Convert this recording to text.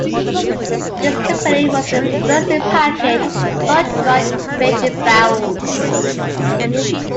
This company was the first to package salt-dried fish in barrels.